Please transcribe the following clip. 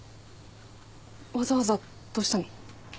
わざわざどうしたの？